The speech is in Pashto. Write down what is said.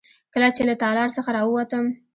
کله چې له تالار څخه راووتم.